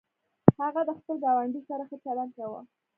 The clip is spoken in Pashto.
هغه د خپل ګاونډي سره ښه چلند کاوه.